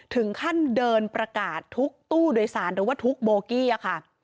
ถึงขั้นเดินประกาศทุกตู้โดยสารหรือว่าทุกโบกี้ค่ะ